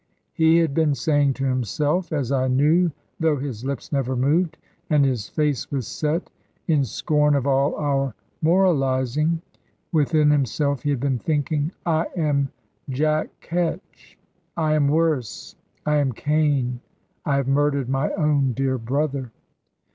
He had been saying to himself as I knew, though his lips never moved; and his face was set, in scorn of all our moralising within himself he had been thinking, "I am Jack Ketch; I am worse; I am Cain. I have murdered my own dear brother."